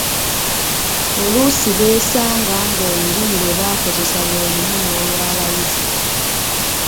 Oluusi beesanga ng’Olulimi lwe bakozesa lwe lumu n’olwabayizi.